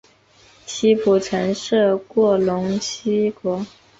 西晋曾设过陇西国。